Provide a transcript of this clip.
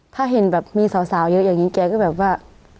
ถ้าเห็นแบบมีสาวเยอะอย่างนี้แกก็แบบว่า